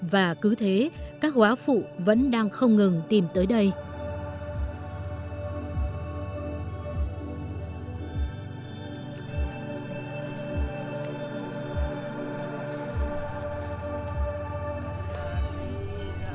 và cứ thế các quả phụ vẫn đang không ngừng tìm tới đất nước